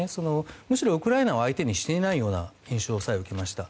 むしろウクライナを相手にしていないような印象さえ受けました。